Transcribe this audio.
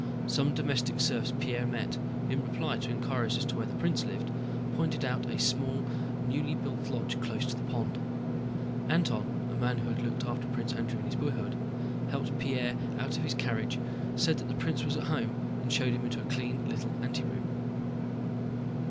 Some domestic serfs Pierre met, in reply to inquiries as to where the prince lived, pointed out a small newly built lodge close to the pond. Antón, a man who had looked after Prince Andrew in his boyhood, helped Pierre out of his carriage, said that the prince was at home, and showed him into a clean little anteroom.